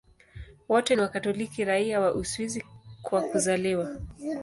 Wote ni Wakatoliki raia wa Uswisi kwa kuzaliwa.